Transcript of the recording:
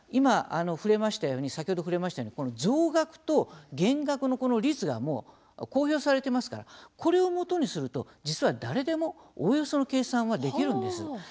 ただ、今先ほど触れましたように増額と減額の率が公表されてますからこれをもとにすると、実は誰でもおおよその計算はできるんです。